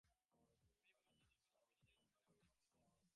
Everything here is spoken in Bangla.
আমি এই পরিবর্তনশীল জগৎ, আমিই আবার অপরিণামী, নির্গুণ নিত্যপূর্ণ নিত্যানন্দময়।